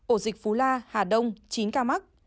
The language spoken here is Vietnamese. ổ dịch phú la hà đông chín ca mắc